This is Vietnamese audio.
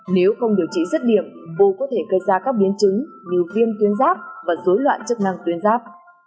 nếu không điều trị rất điểm bồ có thể gây ra các biến chứng như viêm tuyến giáp và dối loạn chức năng tuyến giáp